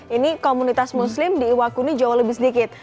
ini komunitas muslim di iwakuni jauh lebih sedikit